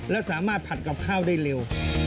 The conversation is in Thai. แล้วสามารถผัดกับข้าวได้เร็ว